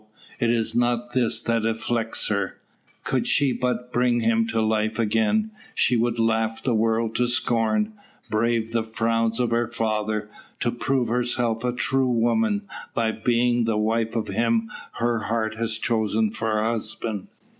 It is not this that afflicts her. Could she but bring him to life again, she would laugh the world to scorn, brave the frowns of her father, to prove herself a true woman by becoming the wife of him her heart had chosen for a husband.